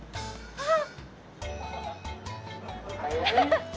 あっ！